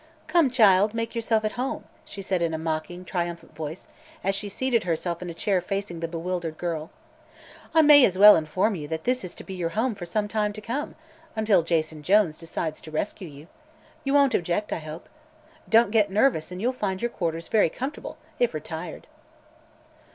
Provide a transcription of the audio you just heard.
"Come, child, make yourself at home," she said in a mocking, triumphant voice, as she seated herself in a chair facing the bewildered girl. "I may as well inform you that this is to be your home for some time to come until Jason Jones decides to rescue you. You won't object, I hope? Don't get nervous and you'll find your quarters very comfortable, if retired."